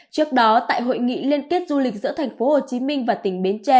trước đó tại hội nghị liên kết du lịch giữa thành phố hồ chí minh và tỉnh bến tre